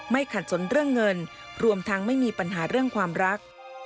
ขัดสนเรื่องเงินรวมทั้งไม่มีปัญหาเรื่องความรัก